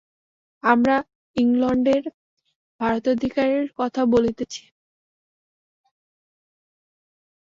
আমরা ইংলণ্ডের ভারতাধিকারের কথা বলিতেছি।